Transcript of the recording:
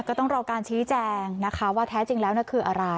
ก็ต้องรอการชี้แจงนะคะว่าแท้จริงแล้วคืออะไร